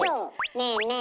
ねえねえ